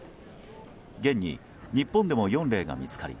現に日本でも４例が見つかり